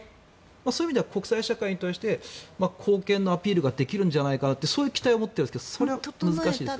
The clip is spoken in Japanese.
そういう意味では国際社会に対して貢献のアピールができるんじゃないかなってそういう期待をしてるんですがそれは難しいですか。